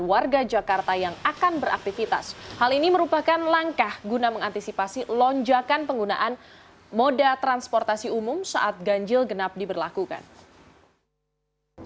warga jakarta yang akan beraktivitas hal ini merupakan langkah guna mengantisipasi lonjakan penggunaan moda transportasi umum saat ganjil genap diberlakukan